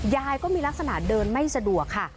ยายก็มีลักษณะเดินไม่สะดวกค่ะ